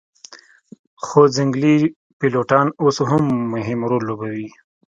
خو ځنګلي پیلوټان اوس هم مهم رول لوبوي